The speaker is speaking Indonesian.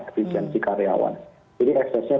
efisiensi karyawan jadi eksesnya